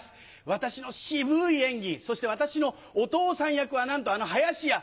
私の渋い演技そして私のお父さん役はなんとあの林家。